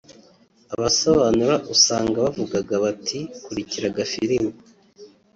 abasobanura usanga bavugaga bati “kurikira agafilime